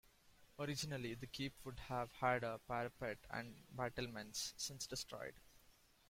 Originally the keep would have had a parapet and battlements, since destroyed.